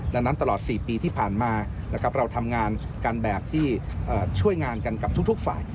ดังนั้นตลอด๔ปีที่ผ่านมาเราทำงานกันแบบที่ช่วยงานกันกับทุกฝ่าย